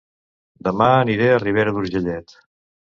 Dema aniré a Ribera d'Urgellet